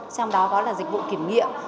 trong đó có là dịch vụ kiểm nghiệm